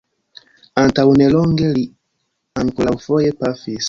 Antaŭnelonge li ankoraŭfoje pafis.